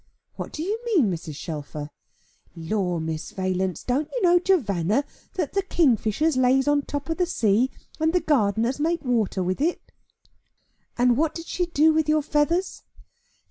"What do you mean, Mrs. Shelfer?" "Lor, Miss Valence, don't you know jovanna that the kingfishers lays on the top of the sea, and the gardeners make water with it?" "And what did she do with your feathers?"